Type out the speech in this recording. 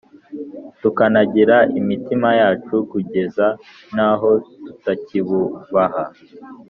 tukanangira imitima yacu, kugeza n’aho tutakikubaha?